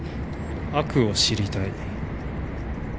悪を知りたい。